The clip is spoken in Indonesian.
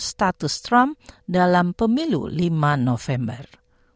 status trump dalam pemilu lima november